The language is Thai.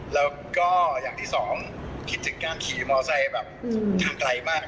แล้วก็อย่างที่สองคิดถึงการขี่มอไซค์แบบทางไกลมาก